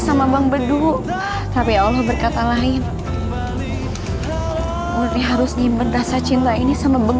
semoga kita dikasih umur panjang